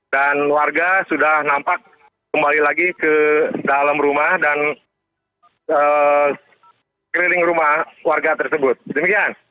dan warga sudah nampak kembali lagi ke dalam rumah dan keliling rumah warga tersebut demikian